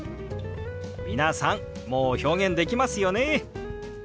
皆さんもう表現できますよね。